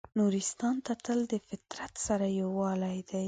نورستان ته تلل د فطرت سره یووالی دی.